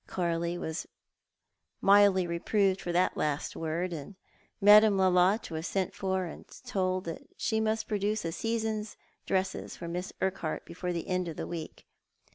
Coralie was mildly reproved for that last word, and Madame Lolotte was sent for and told that she must produce a season's dresses for ^liss Urquhart before the end of the week.